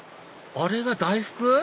あれが大福？